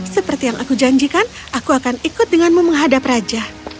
seperti yang aku janjikan aku akan ikut denganmu menghadap raja